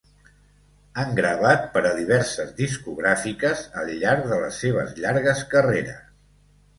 Han gravat per a diverses discogràfiques al llarg de les seves llargues carreres.